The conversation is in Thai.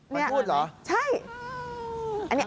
มันพูดเหรอ